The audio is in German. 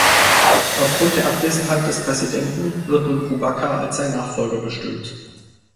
Aufgrund der Abwesenheit des Präsidenten wird nun Brubaker als sein Nachfolger bestimmt.